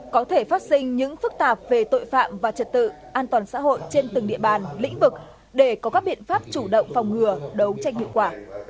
có thể phát sinh những phức tạp về tội phạm và trật tự an toàn xã hội trên từng địa bàn lĩnh vực để có các biện pháp chủ động phòng ngừa đấu tranh hiệu quả